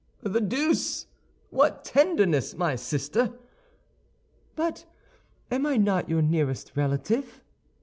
"The deuce! What tenderness, my sister!" "But am I not your nearest relative?"